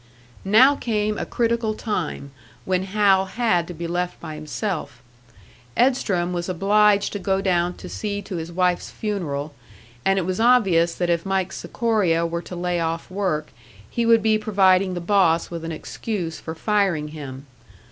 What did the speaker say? Now came a critical time, when Hal had to be left by himself. Edstrom was obliged to go down to see to his wife's funeral; and it was obvious that if Mike Sikoria were to lay off work, he would be providing the boss with an excuse for firing him.